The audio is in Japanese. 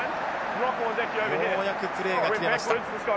ようやくプレーが切れました。